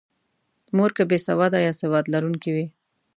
مور که بې سواده یا سواد لرونکې وي.